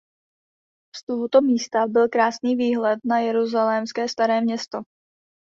Z tohoto místa byl krásný výhled na jeruzalémské staré město.